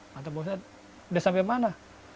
maksud pak ustadz udah sampe mana